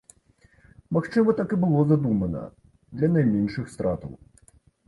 Магчыма, так і было задумана, для найменшых стратаў.